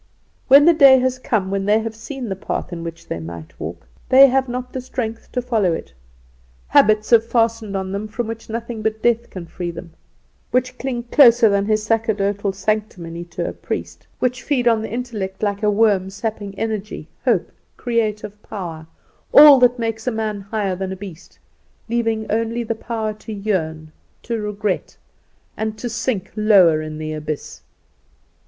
"When the day has come when they have seen the path in which they might walk, they have not the strength to follow it. Habits have fastened on them from which nothing but death can free them; which cling closer than his sacerdotal sanctimony to a priest; which feed on the intellect like a worm, sapping energy, hope, creative power, all that makes a man higher than a beast leaving only the power to yearn, to regret, and to sink lower in the abyss.